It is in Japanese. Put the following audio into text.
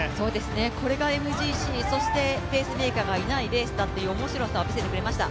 これがＭＧＣそしてペースメーカーがいないレースだという面白さを見せてくれました。